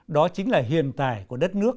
đó chính là hiện tài của đất nước